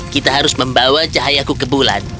kita harus membawa cahayaku ke bulan